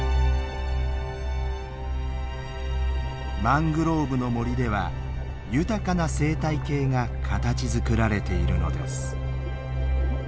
マングローブの森では豊かな生態系が形づくられているのです。